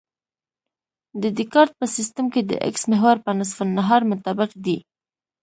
د دیکارت په سیستم کې د اکس محور په نصف النهار منطبق دی